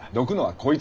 こいつ。